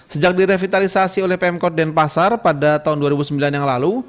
sejak direvitalisasi oleh pmkot dan pasar pada tahun dua ribu sembilan yang lalu